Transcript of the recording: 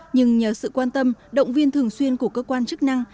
nhưng nhờ sự quan tâm động viên thường xuyên của cơ quan chức năng